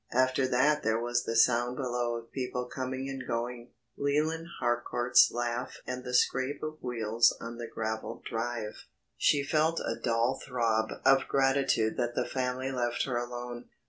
After that there was the sound below of people coming and going, Leland Harcourt's laugh and the scrape of wheels on the gravelled drive. She felt a dull throb of gratitude that the family left her alone.